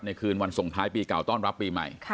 คืนวันส่งท้ายปีเก่าต้อนรับปีใหม่